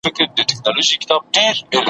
زما ژوندون خزان بې تا دئ.